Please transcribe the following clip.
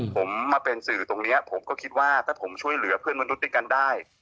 ผมมาเป็นสื่อตรงนี้ผมก็คิดว่าถ้าผมช่วยเหลือเพื่อนมนุษย์ด้วยกันได้